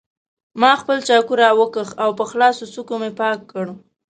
ما خپل چاقو راوکېښ او په خلاصو څوکو مې پاک کړ.